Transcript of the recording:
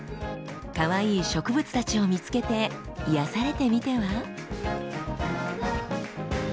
かわいい植物たちを見つけて癒やされてみては？